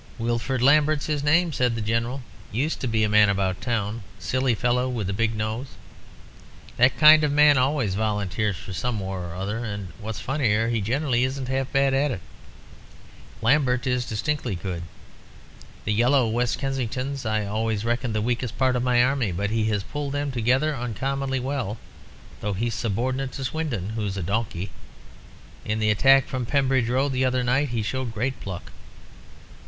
"'Wilfrid Lambert's his name,' said the General; 'used to be a "man about town;" silly fellow with a big nose. That kind of man always volunteers for some war or other; and what's funnier, he generally isn't half bad at it. Lambert is distinctly good. The yellow West Kensingtons I always reckoned the weakest part of the army; but he has pulled them together uncommonly well, though he's subordinate to Swindon, who's a donkey. In the attack from Pembridge Road the other night he showed great pluck.'